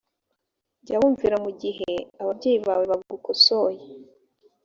jyawumvira mu gihe ababyeyi bawe bagukosoye